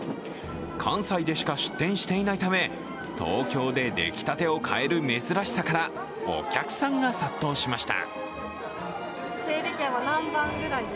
関西でしか出店していないため東京で出来たてを買える珍しさからお客さんが殺到しました。